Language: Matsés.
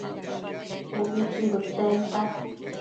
ubi chuibëdtsenta